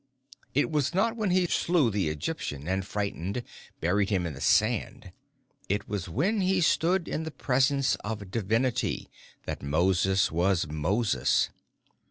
It was not when he slew the Egyptian, and, frightened, buried him in the sand; it was when he stood in the presence of Divinity that Moses was Moses.